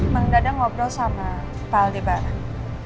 menggada ngobrol sama pak aldebaran